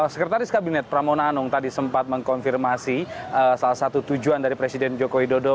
sekretaris kabinet pramona anung tadi sempat mengkonfirmasi salah satu tujuan dari presiden jokowi dodo